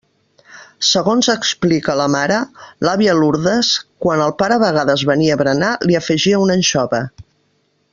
Segons explica la mare, l'àvia Lourdes, quan el pare a vegades venia a berenar, hi afegia una anxova.